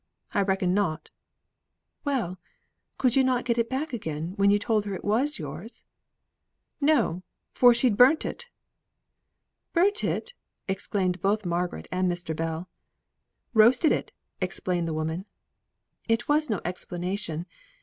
I reckon not." "Well! could not you get it back again when you told her it was yours?" "No! for she'd burnt it." "Burnt it!" exclaimed both Margaret and Mr. Bell. "Roasted it!" explained the woman. It was no explanation.